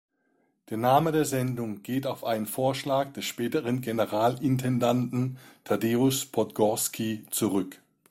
Der Name der Sendung geht auf einen Vorschlag des späteren Generalintendanten Thaddäus Podgorski zurück.